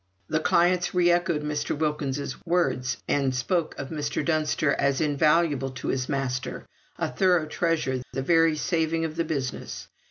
The clients re echoed Mr. Wilkins's words, and spoke of Mr. Dunster as invaluable to his master; a thorough treasure, the very saving of the business.